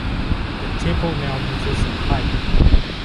The temple now measures in height.